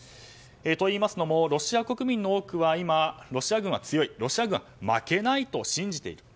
といいますのもロシア国民の多くは今、ロシア軍は強いロシア軍は負けないと信じています。